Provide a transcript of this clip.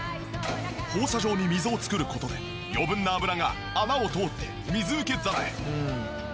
放射状に溝を作る事で余分な脂が穴を通って水受け皿へ。